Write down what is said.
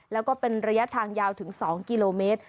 แล้วก็เป็นระยะทางยาวถึง๒กิโลเมตร